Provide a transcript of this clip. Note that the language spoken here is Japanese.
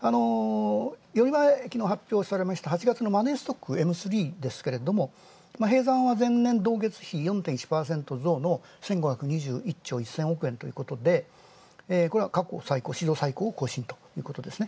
昨日発表されましたマネーストック、Ｍ３は前年同月比４．１％増の１５２１兆１０００億円、これは過去最高、史上最高を更新ということですね。